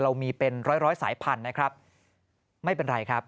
เรามีเป็นร้อยร้อยสายพันธุ์นะครับไม่เป็นไรครับ